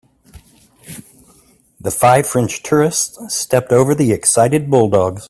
The five French tourists stepped over the excited bulldogs.